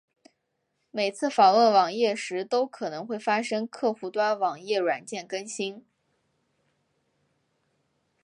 每次访问网页时都可能会发生客户端网页软件更新。